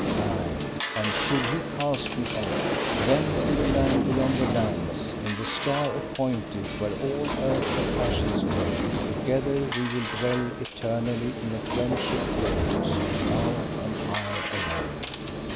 Aye, and should he cast me off, then in the Land beyond the lands, in the Star appointed, where all earthly passions fade, together will we dwell eternally in a friendship glorious, thou and I alone.